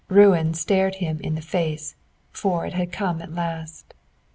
Ruin stared him in the face, for it had come at last.